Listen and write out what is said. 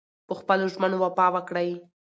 په خپلو ژمنو وفا وکړئ.